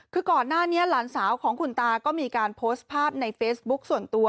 คือก่อนหน้านี้หลานสาวของคุณตาก็มีการโพสต์ภาพในเฟซบุ๊คส่วนตัว